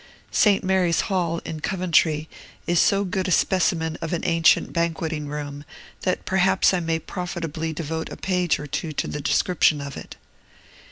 St. Mary's Hall, in Coventry, is so good a specimen of an ancient banqueting room, that perhaps I may profitably devote a page or two to the description of it.